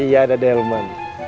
iya ada delman